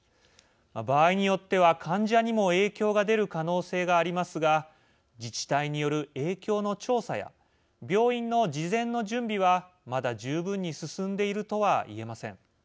場合によっては患者にも影響が出る可能性がありますが自治体による影響の調査や病院の事前の準備は、まだ十分に進んでいるとは言えません。